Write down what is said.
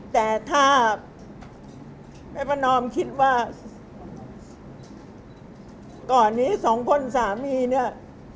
แต่ถ้าแม่ประนอมคิดว่าก่อนนี้สองคนสามีเนี่ย